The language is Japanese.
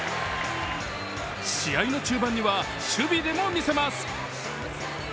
試合の中盤には守備でも見せます。